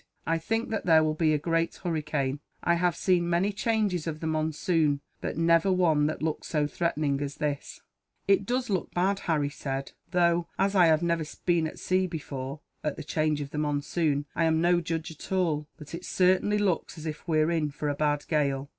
"I think that there will be a great hurricane. I have seen many changes of the monsoon, but never one that looked so threatening as this." "It does look bad," Harry said, "though, as I have never been at sea before, at the change of the monsoon, I am no judge at all; but it certainly looks as if we were in for a bad gale.